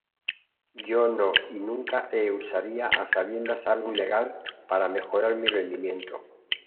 Yo no y nunca he usaría a sabiendas algo ilegal para mejorar mi rendimiento.